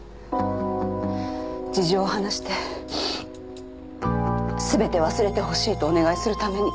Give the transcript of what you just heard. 事情を話して全て忘れてほしいとお願いするために。